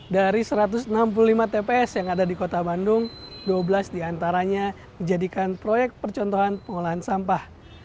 dari satu ratus enam puluh lima tps yang ada di kota bandung dua belas diantaranya dijadikan proyek percontohan pengolahan sampah